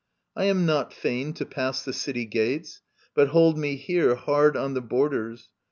.•• I am not fain To pass the city ^ates, but hold me here Hard on the borders.